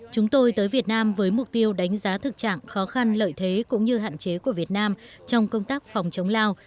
chúng tôi tới việt nam với mục tiêu đánh giá thực trạng khó khăn lợi thế cũng như hạn chế của việt nam trong công tác phòng chống lao